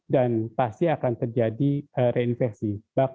dan pasti akan terjadi reinfeksi